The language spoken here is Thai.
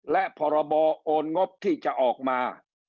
และพรบโอนงบที่จะออกมา